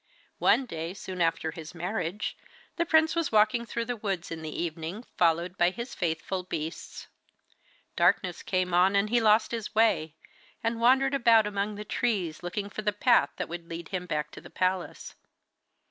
One day, soon after his marriage, the prince was walking through the woods in the evening, followed by his faithful beasts. Darkness came on, and he lost his way, and wandered about among the trees looking for the path that would lead him back to the palace.